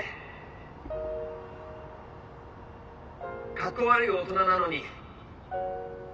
かっこ悪い大人なのに。